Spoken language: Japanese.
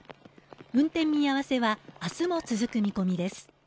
運転見合わせは明日も続く見込みです。